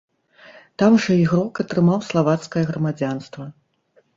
Там жа ігрок атрымаў славацкае грамадзянства.